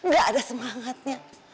gak ada semangatnya